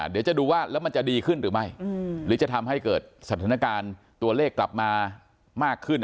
เดี๋ยวจะดูว่าแล้วมันจะดีขึ้นหรือไม่หรือจะทำให้เกิดสถานการณ์ตัวเลขกลับมามากขึ้น